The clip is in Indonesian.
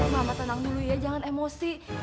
ma ma tenang dulu ya jangan emosi